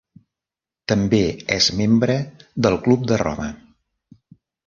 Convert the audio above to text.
També és membre del Club de Roma.